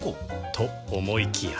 と思いきや